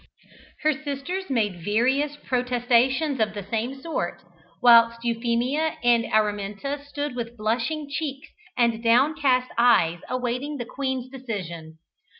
Her sisters made various protestations of the same sort, whilst Euphemia and Araminta stood with blushing cheeks and downcast eyes awaiting the queen's decision.